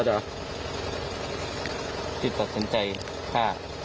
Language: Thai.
ดื่มตัดสินใจข้า